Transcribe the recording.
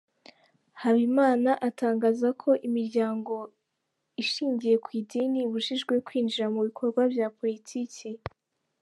Habimana atangaza ko imiryango ishingiye ku idini ibujijwe kwinjira mu bikorwa bya politiki.